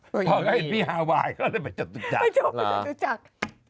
พอก็เห็นพี่ฮาวายเค้าเลยไปเจ็ตุจะก